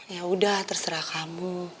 ya udah terserah kamu